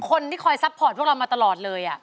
คนที่คอยซัพพอร์ตพวกเรามาตลอดเลย